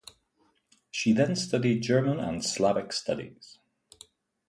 She then studied German and Slavic Studies.